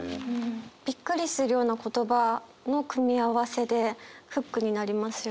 びっくりするような言葉の組み合わせでフックになりますよね。